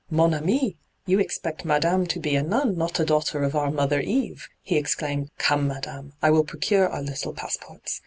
' Mon ami I yt>u expect madame to be a nun, not a daughter of our Mother Eve !' he exclaimed. ' Come, madame ; I will procure our little passports.